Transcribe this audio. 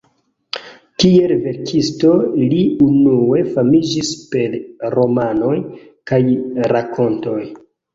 Kiel verkisto li unue famiĝis per romanoj kaj rakontoj.